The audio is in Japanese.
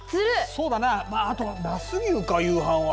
そうだなまああとは那須牛か夕飯は。